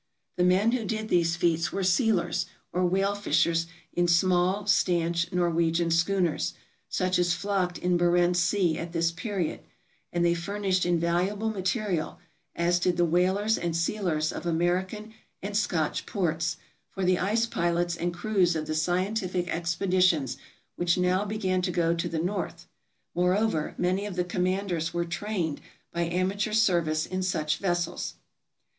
The men who did these feats were sealers or whale fishers in small stanch Norwegian schooners, such as flocked in Barentz Sea at this period, and they furnished invaluable material, as did the whalers and sealers of American and Scotch ports, for the ice pilots and crews of the scientific expeditions which now began to go to the North: moreover many of the commanders were trained by amateur service in such vessels.